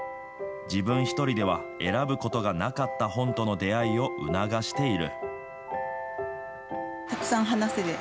自分１人では選ぶことがなかった本との出会いを促している。